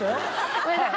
ごめんなさい。